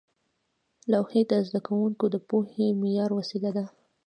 لوحې د زده کوونکو د پوهې د معیار وسیله وې.